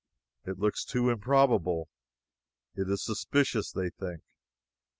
It looks too improbable. It is suspicious, they think.